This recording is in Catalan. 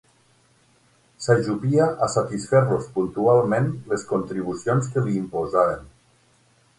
S'ajupia a satisfer-los puntualment les contribucions que li imposaven.